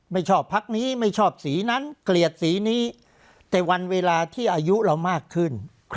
ไม่ชอบพักนี้ไม่ชอบสีนั้นเกลียดสีนี้แต่วันเวลาที่อายุเรามากขึ้น